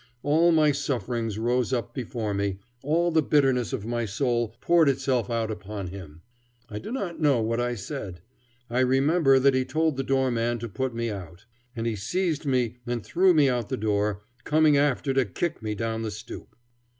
All my sufferings rose up before me, all the bitterness of my soul poured itself out upon him. I do not know what I said. I remember that he told the doorman to put me out. And he seized me and threw me out of the door, coming after to kick me down the stoop.